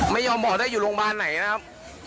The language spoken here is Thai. ไม่ยอมบอกได้อยู่โรงพยาบาลไหนนะครับ